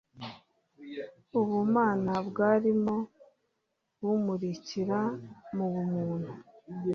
Ubumana bwarimo bumurikira mu bumuntu